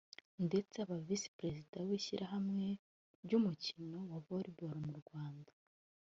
ndetse anaba Visi Perezida w’ishyirahamwe ry’umukino wa Volleyball mu Rwanda